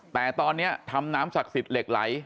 แต่ตอนนี้ทำน้ำศักดิ์สิทธิ์เหล็กไหล